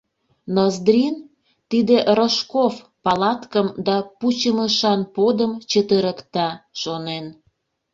Ноздрин, тиде Рожков палаткым да пучымышан подым чытырыкта, шонен.